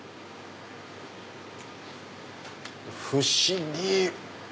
不思議！